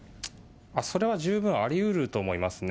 それは十分ありうると思いますね。